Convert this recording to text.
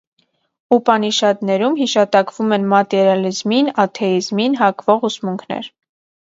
Ուպանիշադներում հիշատակվում են մատերիալիզմին, աթեիզմին հակվող ուսմունքներ։